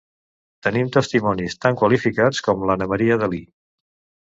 Tenim testimonis tan qualificats com l'Anna Maria Dalí.